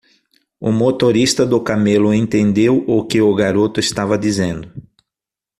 O motorista do camelo entendeu o que o garoto estava dizendo.